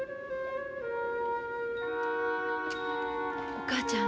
お母ちゃん